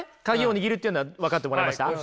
握るというのは分かってもらえました？